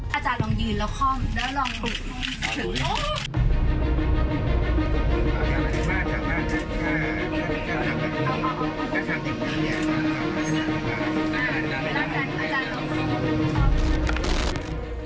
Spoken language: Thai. อาจารย์ลองยืนแล้วข้อมูลแล้วลองโอ๊ย